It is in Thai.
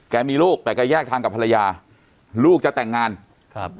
มีลูกแต่แกแยกทางกับภรรยาลูกจะแต่งงานครับ